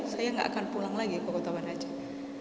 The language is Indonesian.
saya tidak akan pulang lagi ke kota banda aceh